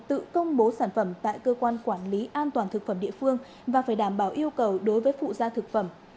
tự công bố sản phẩm tại cơ quan quản lý an toàn thực phẩm địa phương và phải đảm bảo yêu cầu đối với phụ gia thực phẩm